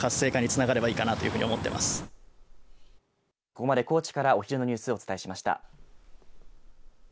ここまで高知からお昼のニュースをお伝えしました。